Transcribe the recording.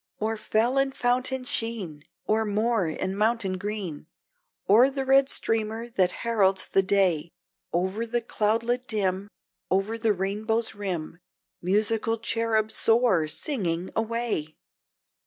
O'er fell and fountain sheen, O'er moor and mountain green, O'er the red streamer that heralds the day, Over the cloudlet dim, Over the rainbow's rim, Musical cherub, soar, singing away!